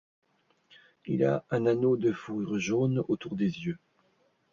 Il a un anneau de fourrure jaune autour des yeux.